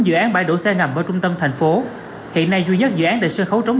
năm trăm linh bốn dự án bãi đổ xe ngầm ở trung tâm thành phố hiện nay duy nhất dự án tại sân khấu trống